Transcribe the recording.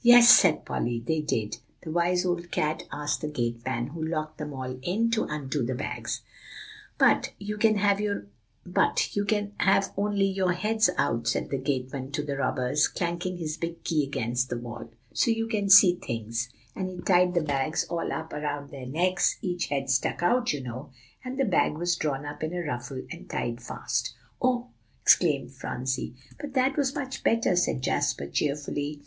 "Yes," said Polly, "they did. The wise old cat asked the gateman, who locked them all in, to undo the bags. "'But you can have only your heads out,' said the gateman to the robbers, clanking his big key against the wall, 'so you can see things.' And he tied the bags all up around their necks; each head stuck out, you know, and the bag was drawn up in a ruffle, and tied fast." "Oh!" exclaimed Phronsie. "But that was much better," said Jasper cheerfully.